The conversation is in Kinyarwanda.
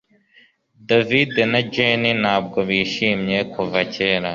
David na Jane ntabwo bishimye kuva kera